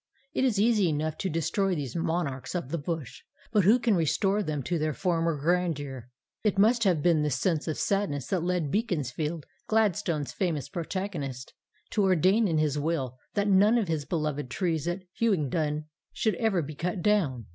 It is easy enough to destroy these monarchs of the bush, but who can restore them to their former grandeur? It must have been this sense of sadness that led Beaconsfield Gladstone's famous protagonist to ordain in his will that none of his beloved trees at Hughenden should ever be cut down.